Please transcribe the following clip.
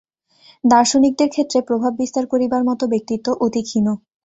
দার্শনিকদের ক্ষেত্রে প্রভাব বিস্তার করিবার মত ব্যক্তিত্ব অতি ক্ষীণ।